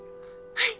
はい！